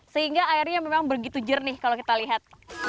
sehingga airnya memang begitu jernih kalau kita lihat